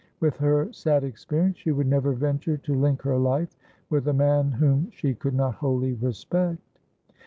"With her sad experience she would never venture to link her life with a man whom she could not wholly respect."